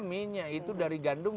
mie nya itu dari gandum